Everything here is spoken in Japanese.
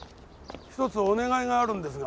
一つお願いがあるんですが。